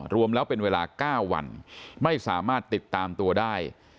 รวมแล้วเป็นเวลา๙วันไม่สามารถติดตามตัวได้